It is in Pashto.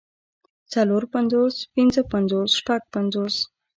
څلور پنځوس پنځۀ پنځوس شپږ پنځوس